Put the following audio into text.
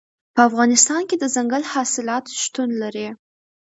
په افغانستان کې دځنګل حاصلات شتون لري.